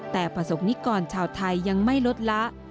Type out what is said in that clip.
แต่ประสบนิกรชาวไทยยังไม่ลดละ